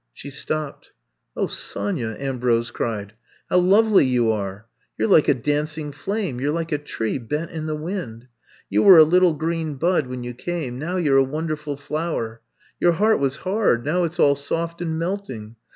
She stopped. '*0h, Sonya,'* Ambrose cried. How lovely you are! You 're like a dancing flame — ^you 're like a tree bent in the wind. You were a little green bud when you came — now you 're a wonderful flower. Your heart was hard ; now, it 's all soft and melt ing.